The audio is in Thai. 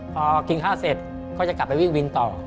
พอกินข้าวเสร็จก็จะกลับไปวิ่งวินต่อ